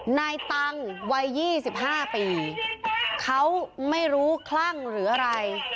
นายตังวัย๒๕ปีเขาไม่รู้คลั่งหรืออะไร